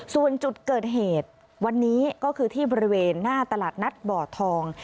ส่วนจุดเกิดเหตุวันนี้ก็คือที่บริเวณหน้าตลาดนัดบ่อทอง